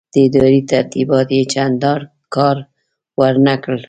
د ادارې ترتیبات یې چنداني کار ورنه کړ.